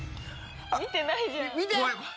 見てないじゃん。